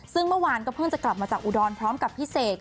ซึ่งเมื่อวานก็เพิ่งจะกลับมาจากอุดรพร้อมกับพี่เสก